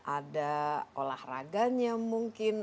ada olahraganya mungkin